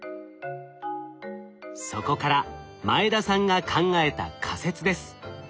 そこから前田さんが考えた仮説です。